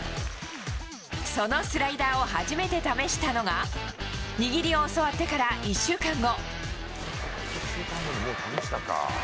そのスライダーを初めて試したのが握りを教わってから１週間後。